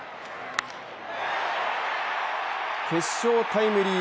決勝タイムリー